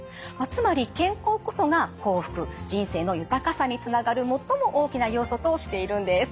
つまり健康こそが幸福人生の豊かさにつながる最も大きな要素としているんです。